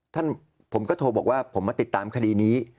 ท่านผมก็โทรบอกว่าผมมาติดตามคดีนี้